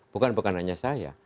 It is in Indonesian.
bukan bukan hanya saya